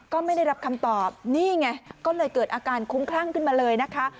ก็ไม่ได้รับคำตอบนี่ไงก็เลยเกิดอาการคุ้มคลั่งขึ้นมาเลยนะคะ